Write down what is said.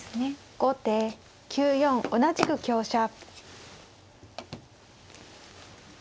後手９四同じく香車。